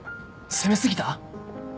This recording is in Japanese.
攻め過ぎた？